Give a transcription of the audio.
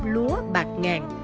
lúa bạc ngàn